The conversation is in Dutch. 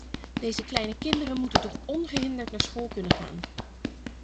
Deze kleine kinderen moeten toch ongehinderd naar school kunnen gaan.